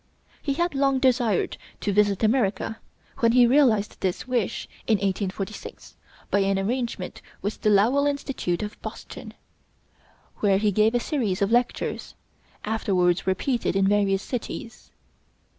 He had long desired to visit America, when he realized this wish in 1846 by an arrangement with the Lowell Institute of Boston, where he gave a series of lectures, afterwards repeated in various cities.